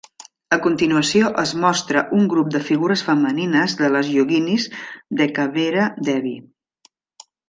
A continuació es mostra un grup de figures femenines de les yoguinis d'Ekaveera Devi.